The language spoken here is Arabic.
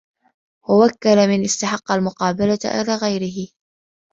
وَوَكَّلَ مَنْ اسْتَحَقَّ الْمُقَابَلَةَ إلَى غَيْرِهِ